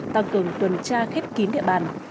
tăng cường tuần tra khép kín địa bàn